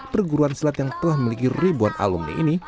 perguruan silat yang telah memiliki ribuan alumni ini